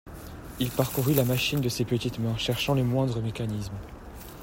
Il parcourut la machine de ses petites mains, cherchant le moindre mécanisme.